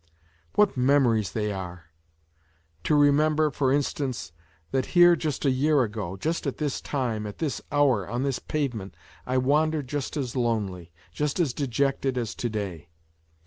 What memories they are ! To remember, for instance, that here just a year ago, just at this time, at this hour, on this pavement, I wandered just as lonely, just as dejected as to day.